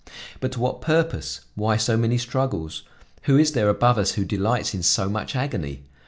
But to what purpose? Why so many struggles? Who is there above us who delights in so much agony?